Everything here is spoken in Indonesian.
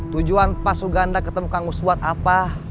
tujuan pak suganda ketemu kang mus buat apa